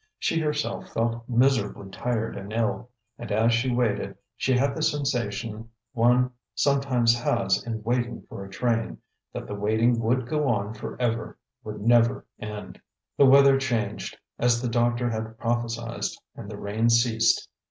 She herself felt miserably tired and ill; and as she waited, she had the sensation one sometimes has in waiting for a train; that the waiting would go on for ever, would never end. The weather changed, as the doctor had prophesied, and the rain ceased.